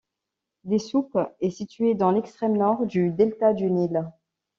Dessouk est située dans l'extrême nord du delta du Nil.